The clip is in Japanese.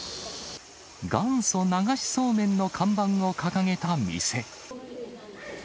元祖流しそうめんの看板を掲げた店。